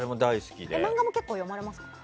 漫画も結構読まれますか？